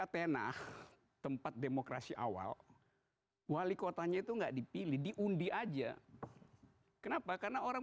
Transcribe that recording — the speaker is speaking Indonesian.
tenah tempat demokrasi awal wali kotanya itu enggak dipilih diundi aja kenapa karena orang